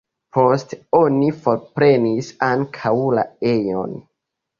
Poste oni forprenis ankaŭ la ejon.